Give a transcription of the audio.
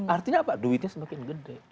artinya apa duitnya semakin gede